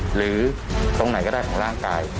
หรือตรงไหนก็ได้ของร่างกาย